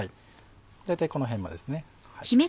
大体この辺までですね。